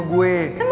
nggak usah sosok